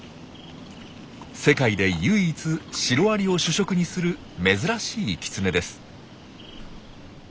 世界で唯一シロアリを主食にする珍しいキツネです。